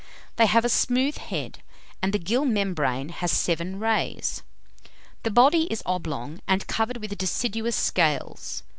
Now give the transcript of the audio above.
They have a smooth head, and the gill membrane has seven rays. The body is oblong, and covered with deciduous scales.